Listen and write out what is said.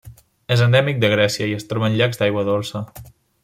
És endèmic de Grècia i es troba en llacs d'aigua dolça.